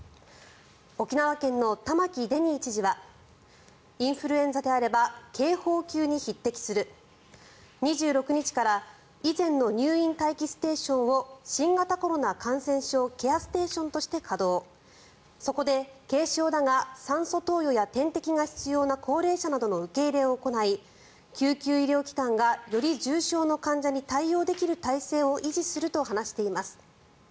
沖縄県の玉城デニー知事はインフルエンザであれば警報級に匹敵する２６日から以前の入院待機ステーションを新型コロナ感染症ケアステーションとして稼働そこで軽症だが酸素投与や点滴が必要な高齢者などの受け入れを行い救急医療機関がより重症の患者に対応できる体制を維持すると話しています。